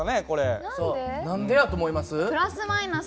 何でやと思います？